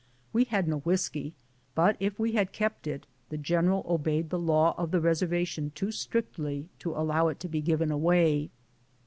We had no whiskey, but if we had kept it, the general obeyed the law of the reservation too strictly to allow it to be given away.